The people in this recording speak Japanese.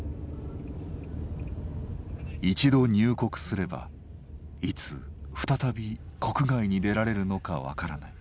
一度入国すればいつ再び国外に出られるのか分からない。